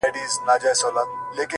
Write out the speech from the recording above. په ځان وهلو باندې خپل غزل ته رنگ ورکوي!